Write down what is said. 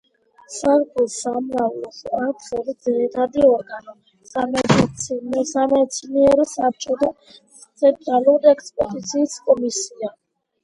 საარქივო სამმართველოს აქვს ორი ძირითადი ორგანო: სამეცნიერო საბჭო და ცენტრალური ექსპერტიზის კომისია.